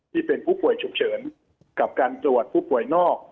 ที่เป็นผู้ป่วยฉุกเฉินกับการตรวจผู้ป่วยนอก